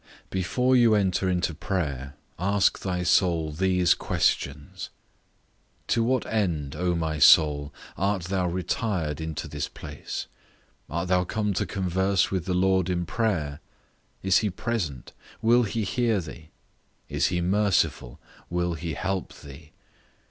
Before you enter into prayer, ask thy soul these questions, 1. To what end, O my soul! art thou retired into this place? Art thou come to converse with the Lord in prayer? Is he present, will he hear thee? Is he merciful, will he help thee?